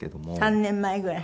３年前ぐらい？